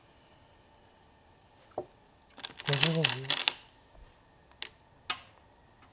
５５秒。